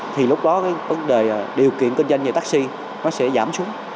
thì lúc đó cái vấn đề điều kiện kinh doanh về taxi nó sẽ giảm xuống